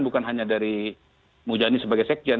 bukan hanya dari mujani sebagai sekjen